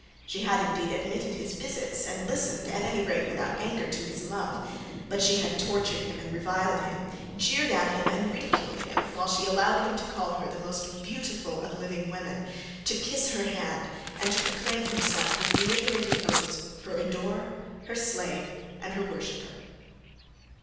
She had indeed admitted his visits, and listened, at any rate without anger, to his love; but she had tortured him, and reviled him, jeered at him and ridiculed him, while she allowed him to call her the most beautiful of living women, to kiss her hand, and to proclaim himself with reiterated oaths her adorer, her slave, and worshipper.